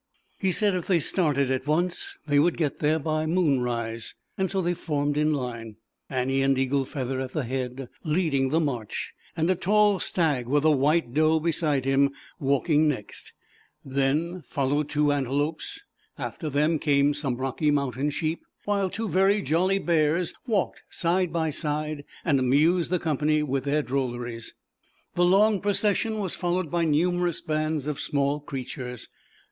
He said if they started at once, they would get there by Moon rise. \So they formed in line, Annie and Eagle Feather at the head, leadin the march, and a tall Stag with a w Doe beside him walking nextil then \~s 225 r5 ;Jf /if i 226 ZAUBERLINDA, THE WISE WITCK. lowed two Antelopes; after them came some Rocky Mountain Sheep, while two very jolly Bears walked side by side and amused the company with their drolleries. The long Procession was followed by numerous bands of small creatures.